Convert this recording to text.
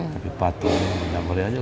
tapi patung yang tidak boleh aja